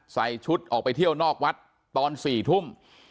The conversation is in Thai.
ใส่ชุดออกไปเที่ยวนอกวัดตอน๔ทุ่ม